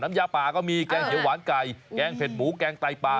ยาป่าก็มีแกงเขียวหวานไก่แกงเผ็ดหมูแกงไตปลา